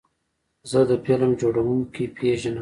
زه د فلم جوړونکي پیژنم.